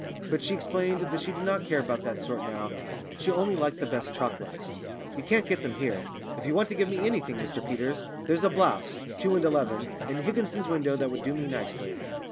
But she explained that she did not care about that sort now; she only liked the best chocolates. "You can't get them here. If you want to give me anything, Mr Peters, there's a blouse (two and eleven) in Higginson's window that would do me nicely."